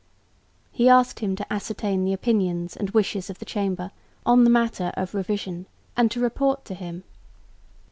He asked him to ascertain the opinions and wishes of the Chamber on the matter of revision and to report to him.